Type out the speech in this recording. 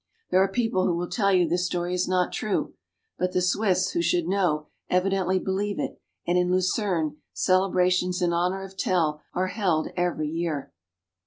There are people who will tell you this story is not true ; but the Swiss, who should know, evidently believe it, and in Lucerne celebrations in honor of Tell are held every year.